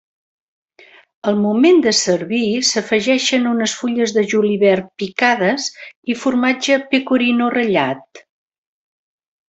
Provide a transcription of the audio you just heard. Al moment de servir s'afegeixen unes fulles de julivert picades i formatge pecorino ratllat.